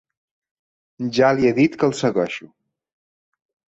Ja li he dit que el segueixo.